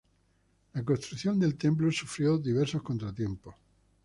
La construcción del templo sufrió diversos contratiempos.